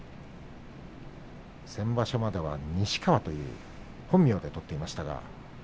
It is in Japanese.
先場所までは西川という本名で取っていました。